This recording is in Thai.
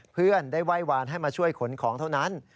เพื่อนได้ไหว้วานให้มาช่วยขนของเท่านั้น